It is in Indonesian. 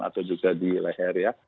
atau juga di leher ya